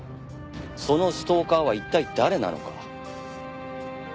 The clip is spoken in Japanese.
そのストーカーは一体誰なのか？